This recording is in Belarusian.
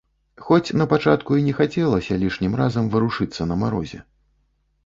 Хоць на пачатку і не хацелася лішнім разам варушыцца на марозе.